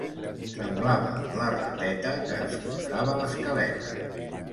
Semblava la rateta que escombrava l'escaleta.